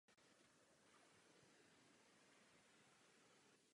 Daru gramofonových desek se účastnil také Supraphon.